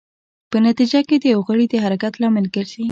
په نتېجه کې د یو غړي د حرکت لامل ګرځي.